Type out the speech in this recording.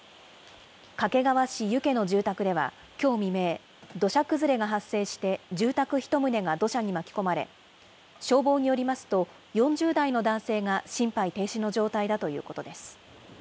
掛川市遊家の住宅ではきょう未明、土砂崩れが発生して住宅１棟が土砂に巻き込まれ、消防によりますと、４０代の男性が心肺停止の状態だということです。